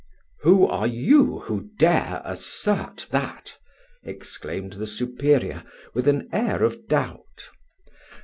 "Who are you, who dare assert that?" exclaimed the superior, with an air of doubt.